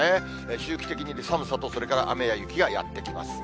周期的に寒さと、それから雨や雪がやって来ます。